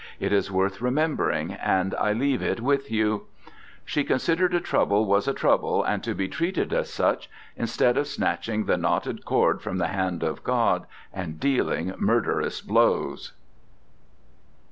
It is worth remembering, and I leave it with you: "She considered a trouble was a trouble and to be treated as such, instead of snatching the knotted cord from the hand of God and dealing murderous blows."